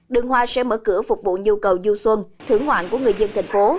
đường hoa sẽ mở cửa phục vụ nhu cầu du xuân thưởng ngoạn của người dân thành phố